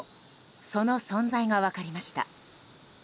その存在が分かりました。